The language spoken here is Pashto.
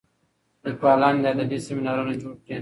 لیکوالان دي ادبي سیمینارونه جوړ کړي.